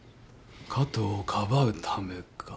加藤をかばうためか。